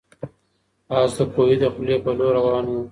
آس د کوهي د خولې په لور روان و.